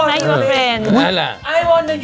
อันแหละงั้นอ่ะ